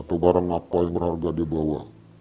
atau barang apa yang berharga di bawah